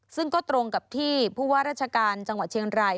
ซึ่งก็ตรงกับที่ผู้ว่าราชการจังหวัดเชียงราย